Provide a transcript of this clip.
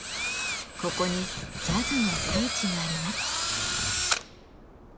ここにジャズの聖地があります。